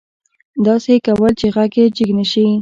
داسې يې کول چې غږ يې جګ نه شي.